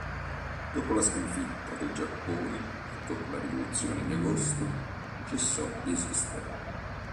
Dopo la sconfitta del Giappone e dopo la "rivoluzione di agosto", cessò di esistere.